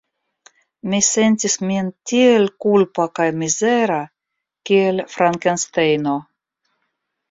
Mi sentis min tiel kulpa kaj mizera kiel Frankenstejno.